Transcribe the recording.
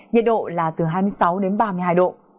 nhiệt độ là từ hai mươi sáu đến ba mươi hai độ